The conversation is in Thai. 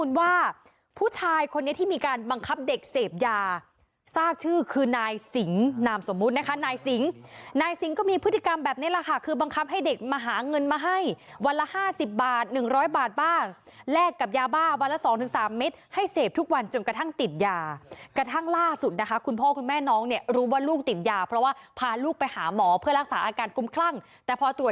นายสิงห์นายสิงห์ก็มีพฤติกรรมแบบนี้ล่ะค่ะคือบังคับให้เด็กมาหาเงินมาให้วันละห้าสิบบาทหนึ่งร้อยบาทบ้างแลกกับยาบ้าวันละสองถึงสามเม็ดให้เสพทุกวันจนกระทั่งติดยากระทั่งล่าสุดนะคะคุณพ่อคุณแม่น้องเนี่ยรู้ว่าลูกติดยาเพราะว่าพาลูกไปหาหมอเพื่อรักษาอาการกุมคลั่งแต่พอ